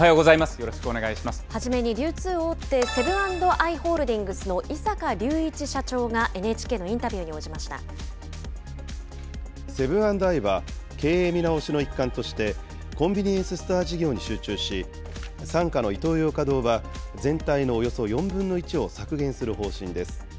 よろし初めに流通大手、セブン＆アイ・ホールディングスの井阪隆一社長がＮＨＫのインタセブン＆アイは、経営見直しの一環として、コンビニエンスストア事業に集中し、傘下のイトーヨーカ堂は全体のおよそ４分の１を削減する方針です。